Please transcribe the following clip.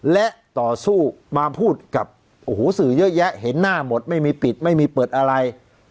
และต่อสู้มาพูดกับโอ้โหสื่อเยอะแยะเห็นหน้าหมดไม่มีปิดไม่มีเปิดอะไร